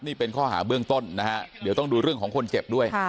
นี่เป็นข้อหาเบื้องต้นนะฮะเดี๋ยวต้องดูเรื่องของคนเจ็บด้วย